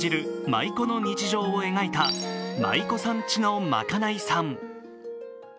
舞妓の日常を描いた「舞妓さんちのまかないさん」。